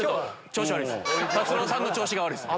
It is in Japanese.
達郎さんの調子が悪いっす。